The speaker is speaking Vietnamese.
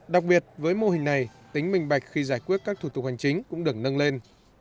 đặc biệt với mô hình này tính minh bạch khi giải quyết các thủ tục hành chính cũng được nâng lên